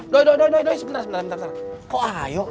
doi doi doi sebentar sebentar sebentar sebentar